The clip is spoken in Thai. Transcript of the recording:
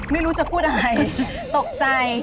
ไม่รู้จะพูดอะไรตกใจ